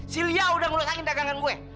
si lia udah ngelusakin dagangan gue